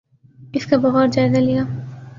اس کا بغور جائزہ لیا۔